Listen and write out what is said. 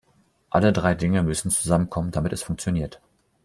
Alle drei Dinge müssen zusammenkommen, damit es funktioniert.